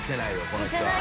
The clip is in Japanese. この人は。